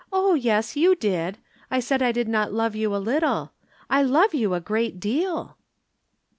"Oh, yes, you did. I said I did not love you a little. I love you a great deal."